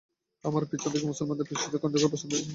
আমরা পিছন থেকে মুসলমানদের পৃষ্ঠদেশে খঞ্জর বসাতে চেয়েছিলাম।